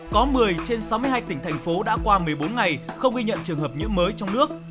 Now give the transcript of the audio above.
có một mươi trên sáu mươi hai tỉnh thành phố đã qua một mươi bốn ngày không ghi nhận trường hợp nhiễm mới trong nước